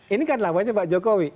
ini kan lawannya pak jokowi